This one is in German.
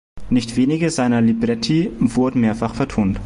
Nicht wenige seiner Libretti wurden mehrfach vertont.